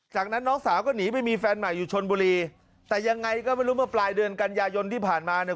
จากนั้นน้องสาวก็หนีไปมีแฟนใหม่อยู่ชนบุรีแต่ยังไงก็ไม่รู้เมื่อปลายเดือนกันยายนที่ผ่านมาเนี่ย